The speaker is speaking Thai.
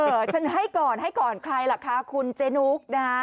ฉันให้ก่อนให้ก่อนใครล่ะคะคุณเจนุ๊กนะฮะ